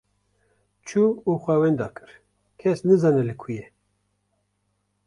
Çû û xwe wenda kir, kes nizane li ku ye.